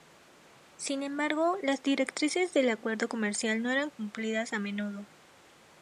Sin embargo, las directrices del acuerdo comercial no eran cumplidas a menudo.